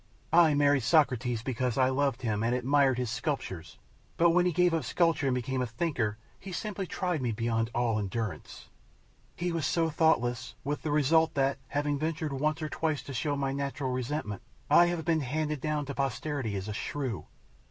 "I married Socrates because I loved him and admired his sculpture; but when he gave up sculpture and became a thinker he simply tried me beyond all endurance, he was so thoughtless, with the result that, having ventured once or twice to show my natural resentment, I have been handed down to posterity as a shrew.